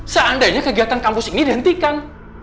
seandainya kegiatan kampus ini dihentikan